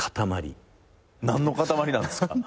何の塊なんですか？